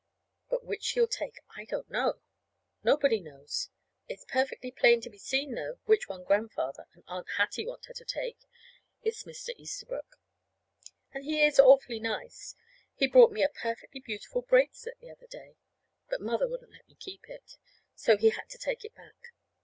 But which she'll take I don't know. Nobody knows. It's perfectly plain to be seen, though, which one Grandfather and Aunt Hattie want her to take! It's Mr. Easterbrook. And he is awfully nice. He brought me a perfectly beautiful bracelet the other day but Mother wouldn't let me keep it. So he had to take it back.